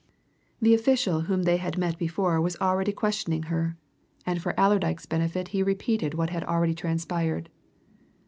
The official whom they had met before was already questioning her, and for Allerdyke's benefit he repeated what had already transpired.